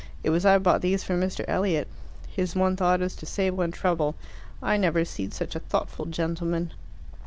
It was I bought these for Mr. Elliot. His one thought is to save one trouble. I never seed such a thoughtful gentleman.